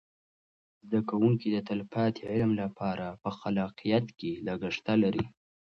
زده کوونکي د تلپاتې علم لپاره په خلاقیت کې لګښته لري.